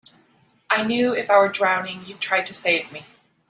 I knew if I were drowning you'd try to save me.